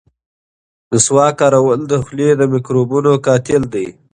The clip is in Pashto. مسواک کارول د خولې د میکروبونو قاتل دی.